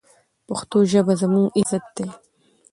پښتو ژبه زموږ عزت دی.